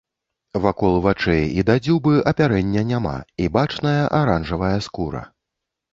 Вакол вачэй і да дзюбы апярэння няма і бачная аранжавая скура.